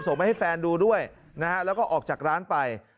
มาให้แฟนดูด้วยนะฮะแล้วก็ออกจากร้านไป